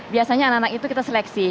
biasanya anak anak itu kita seleksi